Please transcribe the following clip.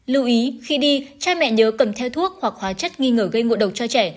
lưu ý khi đi cha mẹ nhớ cầm theo thuốc hoặc hóa chất nghi ngờ gây ngộ độc cho trẻ